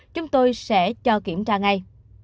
chúng tôi sẽ cho kiểm tra ngay